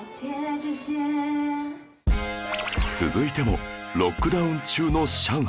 続いてもロックダウン中の上海